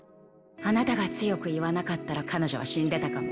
あなたが強く言わなかったら彼女は死んでたかも。